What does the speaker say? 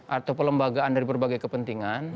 atau pelembagaan dari berbagai kepentingan